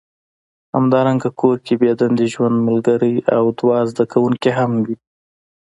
همدارنګه کور کې بې دندې ژوند ملګری او دوه زده کوونکي هم وي